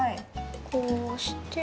こうして。